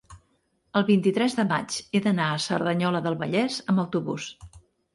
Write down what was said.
el vint-i-tres de maig he d'anar a Cerdanyola del Vallès amb autobús.